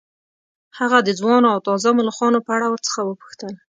هغه د ځوانو او تازه ملخانو په اړه ورڅخه وپوښتل